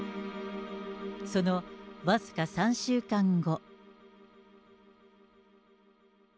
その僅か３週間後。